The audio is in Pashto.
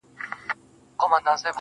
ډيره مننه مهربان شاعره,